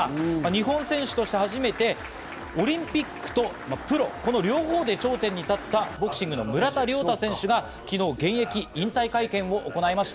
日本選手として初めてオリンピックとプロ、この両方で頂点に立ったボクシングの村田諒太選手が昨日、現役引退会見を行いました。